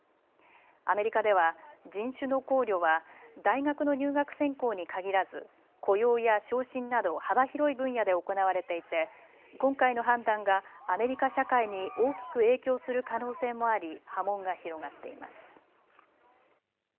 アメリカでは人種の考慮は大学の入学選考に限らず雇用や昇進など幅広い分野で行われていて今回の判断がアメリカ社会に大きく影響する可能性もあり波紋が広がっています。